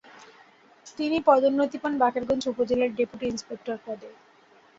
তিনি পদোন্নতি পান বাকেরগঞ্জ উপজেলার ডেপুটি ইন্সপেক্টর পদে।